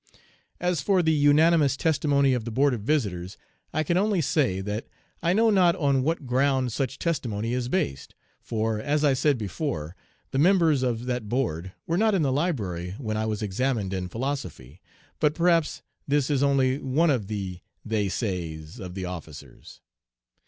As for the unanimous testimony of the Board of Visitors, I can only say that I know not on what ground such testimony is based, for, as I said before, the members of that board were not in the library when I was examined in philosophy; but perhaps, this is only one of the 'they says' of the officers.